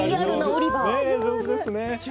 上手ですね。